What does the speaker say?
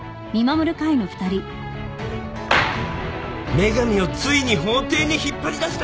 「女神をついに法廷に引っ張り出した！」